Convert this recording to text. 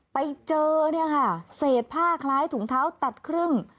ไปเจอเนี่ยค่ะเศษผ้าคล้ายถุงเท้าตัดครึ่ง